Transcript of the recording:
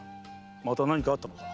また何かあったか？